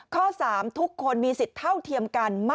ข้อ๓ทุกคนมีสิทธิ์เท่าเทียมกัน